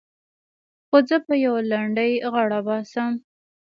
خو زه په يوه لنډۍ غاړه باسم.